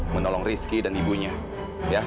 menolong rizky dan ibunya ya